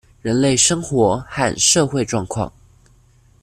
人類生活和社會狀況